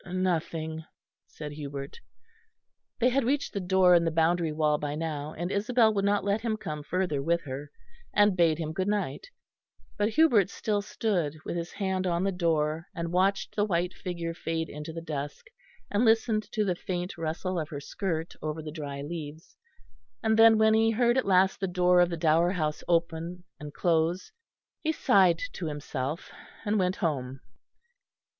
"Nothing," said Hubert. They had reached the door in the boundary wall by now, and Isabel would not let him come further with her and bade him good night. But Hubert still stood, with his hand on the door, and watched the white figure fade into the dusk, and listened to the faint rustle of her skirt over the dry leaves; and then, when he heard at last the door of the Dower House open and close, he sighed to himself and went home.